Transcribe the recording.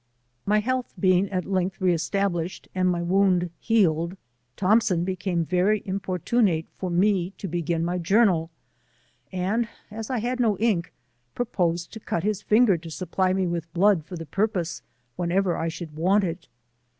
My health being at length re established and my wound healed, Thompson became very impor tunate for me to begin my journal, and as I had no ink, proposed to cut his finger to supply me with blood for the purpose whenever I should want it.